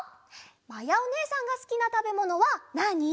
まやおねえさんがすきなたべものはなに？